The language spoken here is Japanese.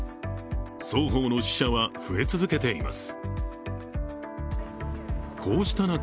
双方の死者は増え続けています。